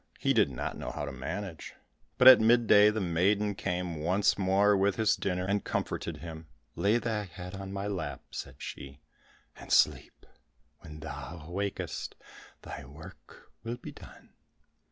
He did not know how to manage, but at mid day the maiden came once more with his dinner and comforted him. "Lay thy head on my lap," said she, "and sleep; when thou awakest, thy work will be done."